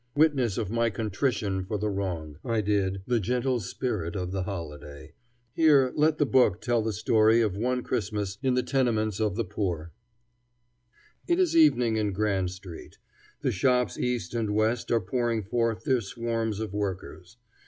Witness of my contrition for the wrong I did the gentle spirit of the holiday, here let the book tell the story of one Christmas in the tenements of the poor: It is evening in Grand street. The shops east and west are pouring forth their swarms of workers.